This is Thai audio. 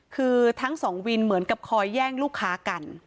คือทั้งสองวินเหมือนกับคอยแย่งลูกค้ากัน